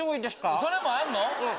それもあるの？